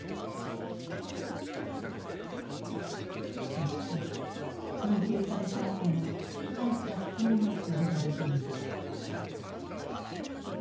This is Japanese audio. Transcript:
そして徴兵されたあとの深い葛藤がつづられています。